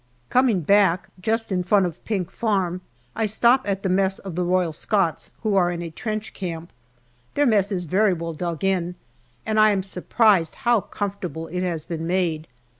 Coming back, just in front of Pink Farm I stop at the mess of the Royal Scots, who are in a trench camp. Their mess is very well dug in, and I am surprised how comfort able it has been made.